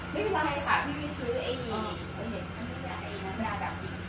เพราะให้เขาเห็นที่จะถูกชิด